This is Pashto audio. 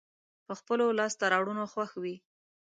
په خپلو لاسته راوړنو خوښ وي.